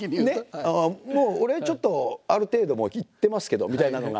「俺ちょっとある程度いってますけど」みたいなのが。